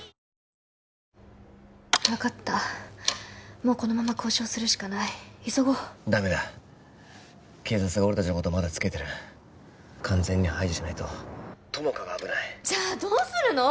もうこのまま交渉するしかない急ごうダメだ警察が俺達のことまだつけてる完全に排除しないと友果が危ないじゃどうするの！？